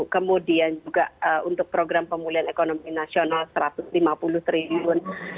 kemudian juga untuk program pemulihan ekonomi nasional rp satu ratus lima puluh triliun